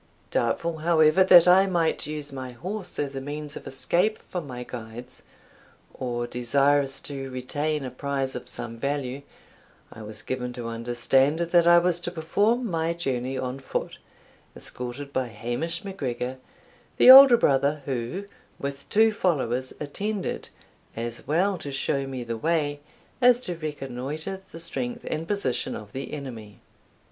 Doubtful, however, that I might use my horse as a means of escape from my guides, or desirous to retain a prize of some value, I was given to understand that I was to perform my journey on foot, escorted by Hamish MacGregor, the elder brother, who, with two followers, attended, as well to show me the way, as to reconnoitre the strength and position of the enemy.